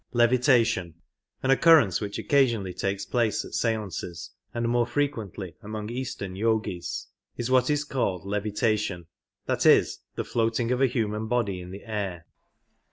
An occurrence which occasionally takes place at seances, .. and more frequently among eastern Y6gis, is what is called levitation — that is, the floating of a human body in the air.